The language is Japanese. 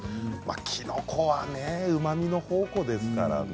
きのこはうまみの宝庫ですからね。